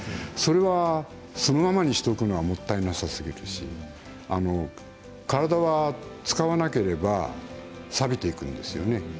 それはそのままにしておくのはもったいなさすぎるし体は使わなければさびていくんですよね。